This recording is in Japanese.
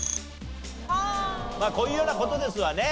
こういうような事ですわね。